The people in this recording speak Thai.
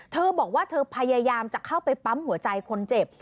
เธอบอกว่าเธอพยายามจะเข้าไปปั๊มหัวใจคนเจ็บ